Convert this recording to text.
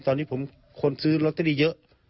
ตอนนี้ผมคนซื้อลอตเตอรี่เยอะ